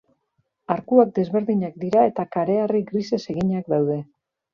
Arkuak desberdinak dira eta kareharri grisez eginak daude.